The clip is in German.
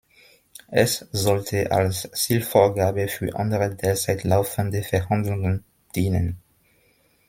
Es sollte als Zielvorgabe für andere derzeit laufende Verhandlungen dienen.